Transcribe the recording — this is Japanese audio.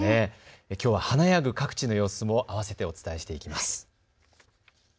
きょうは華やぐ各地の様子もあわせてお伝えしていきます。